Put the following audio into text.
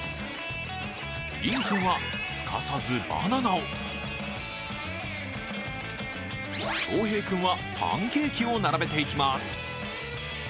琳君はすかさずバナナを恭平君はパンケーキを並べていきます。